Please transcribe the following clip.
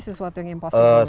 sesuatu yang impossible ya